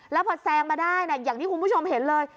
แล้วพอแซงมาได้อย่างที่คุณผู้ชมเห็นเลย